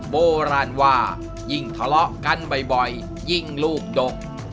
โบราณว่ายิ่งทะเลาะกันบ่อยยิ่งลูกดก